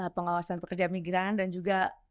pengawasan pekerja migran dan juga